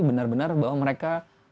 benar benar bahwa mereka